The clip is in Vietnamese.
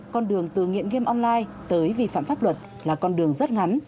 con đường từ nghiện game online tới vi phạm pháp luật là con đường rất ngắn